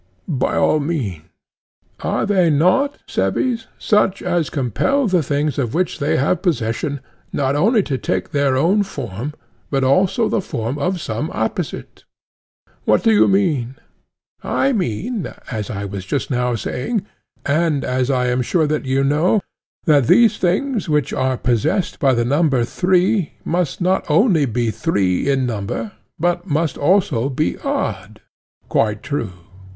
By all means. Are they not, Cebes, such as compel the things of which they have possession, not only to take their own form, but also the form of some opposite? What do you mean? I mean, as I was just now saying, and as I am sure that you know, that those things which are possessed by the number three must not only be three in number, but must also be odd. Quite true.